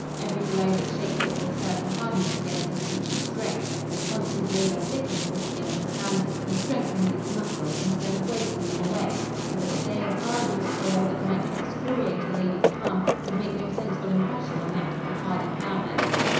Every blow that shakes it will serve to harden it against a future stroke; as constant labour thickens the skin of the hand, and strengthens its muscles instead of wasting them away: so that a day of arduous toil, that might excoriate a lady's palm, would make no sensible impression on that of a hardy ploughman.